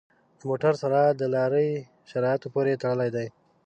د موټر سرعت د لارې شرایطو پورې تړلی دی.